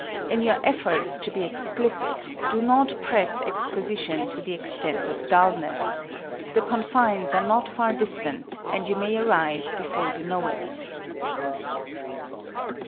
In your efforts to be explicit do not press exposition to the extent of dulness the confines are not far distant and you may arrive before you know it.